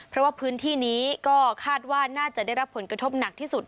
เพราะว่าพื้นที่นี้ก็คาดว่าน่าจะได้รับผลกระทบหนักที่สุด